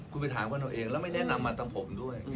คุณไปถามกันเอาเองแล้วไม่แนะนำมาทางผมด้วย